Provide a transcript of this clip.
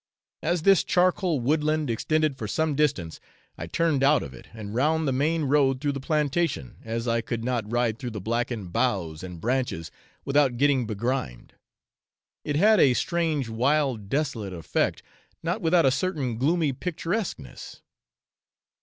As this charcoal woodland extended for some distance, I turned out of it, and round the main road through the plantation, as I could not ride through the blackened boughs and branches without getting begrimed. It had a strange wild desolate effect, not without a certain gloomy picturesqueness.